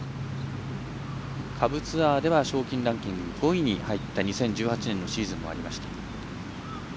下部ツアーでは賞金ランキング５位に入った２０１８年のシーズンもありました。